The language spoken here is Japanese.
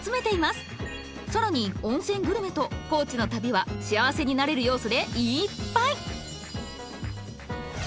更に温泉グルメと高知の旅は幸せになれる要素でいっぱい！